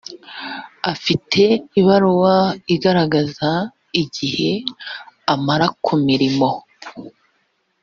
afite ibaruwa igaragaza igihe amara ku mirimo